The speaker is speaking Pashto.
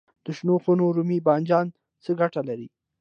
د شنو خونو رومي بانجان څه ګټه لري؟